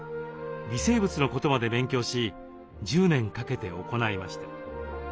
微生物のことまで勉強し１０年かけて行いました。